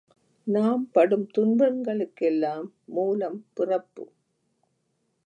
நாம் படும் துன்பங்களுக்கெல்லாம் மூலம் பிறப்பு.